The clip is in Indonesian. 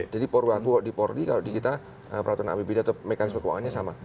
jadi purwaku di polri kalau di kita peraturan anggaran berbeda mekanisme keuangannya sama